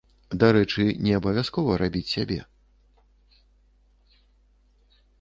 Дарэчы, не абавязкова рабіць сябе.